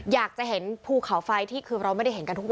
อยากจะเห็นภูเขาไฟที่คือเราไม่ได้เห็นกันทุกวัน